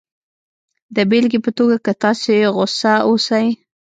د بېلګې په توګه که تاسې غسه اوسئ